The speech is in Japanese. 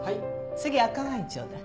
次赤ワインちょうだい。